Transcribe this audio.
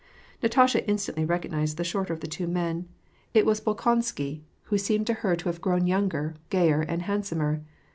Natasha instantly recognized the shorter of the two men : it was Bol 204 W' ^^ 4 AT) PEACE. konsky, who seemed to her to have grown younger, gayer, and handsomer.